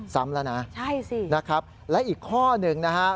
ซ้ำแล้วนะใช่สินะครับและอีกข้อหนึ่งนะฮะ